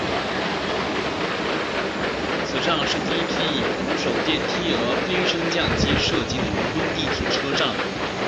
此站是第一批以扶手电梯而非升降机设计的伦敦地铁车站。